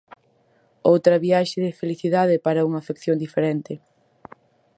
Outra viaxe de felicidade para unha afección diferente.